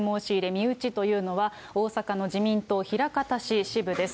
身内というのは、大阪の自民党枚方市支部です。